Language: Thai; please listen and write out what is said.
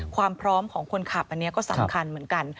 ความพร้อมของคนขับอันนี้ก็สำคัญเหมือนกัน